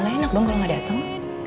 gak enak dong kalau nggak datang